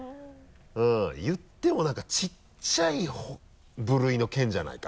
言っても何かちっちゃい部類の県じゃないか？